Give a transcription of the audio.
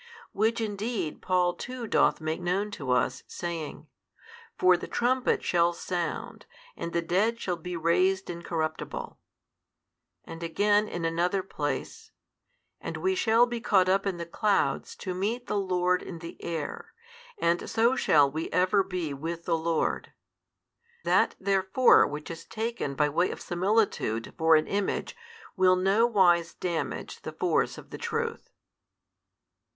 Which indeed Paul too doth make known to us, saying, For the trumpet shall sound, and the dead shall be raised incorruptible; And again in another place, and we shall be caught up in the clouds to meet the Lord in the air, and so shall we ever be with the Lord. That therefore which is taken by way of similitude for an image will no wise damage the force of the truth.